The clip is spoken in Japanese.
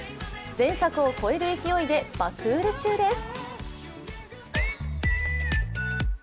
前作を超える勢いで爆売れ中です。